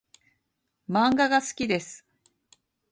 漫画が好きです